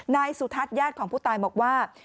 นายสุทัศน์ญาติของผู้ตายบอกว่า